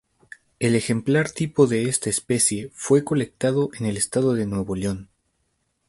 El ejemplar tipo de esta especie fue colectado en el estado de Nuevo León.